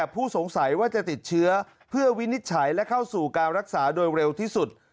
เพื่อวินิจฉัยและเข้าสู่การรักษาโดยเร็วที่สุด